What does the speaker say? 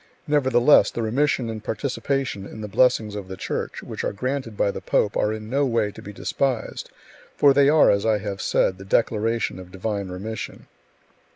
Nevertheless, the remission and participation [in the blessings of the Church] which are granted by the pope are in no way to be despised, for they are, as I have said, the declaration of divine remission.